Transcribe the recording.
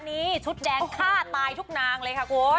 ชุดแดงฆ่าตายทุกนางเลยค่ะคุณ